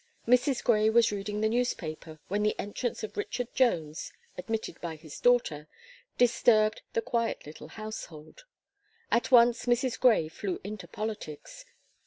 Mrs. Gray was reading the newspaper, when the entrance of Richard Jones, admitted by his daughter, disturbed the quiet little household. At once Mrs. Gray flew into politics.